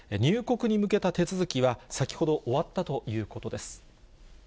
入国に向けた手続きは、先ほど終わったということです。